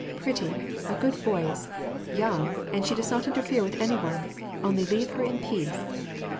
"Pretty, a good voice, young, and she does not interfere with any one : only leave her in peace